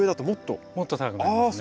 もっと高くなりますね。